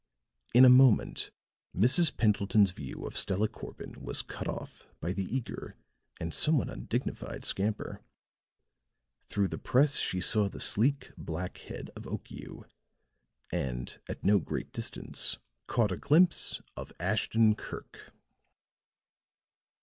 In a moment Mrs. Pendleton's view of Stella Corbin was cut off by the eager and somewhat undignified scamper; through the press she saw the sleek, black head of Okiu and, at no great distance, caught a glimpse of Ashton Kirk.